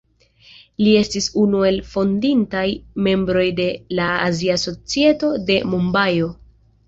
Li estis unu el fondintaj membroj de la Azia Societo de Mumbajo.